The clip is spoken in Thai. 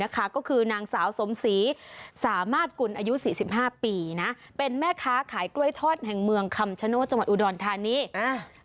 ขายกล้วยทอดแห่งเมืองคำชะโน่จังหวัดอุดรฐานีอ่า